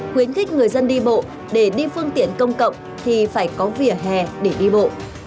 khuyến khích người dân đi bộ để đi phương tiện công cộng thì phải có vỉa hè để đi bộ